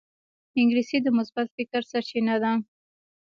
انګلیسي د مثبت فکر سرچینه ده